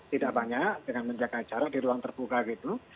tidak banyak dengan menjaga jarak di ruang terbuka gitu